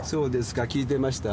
聞いてました？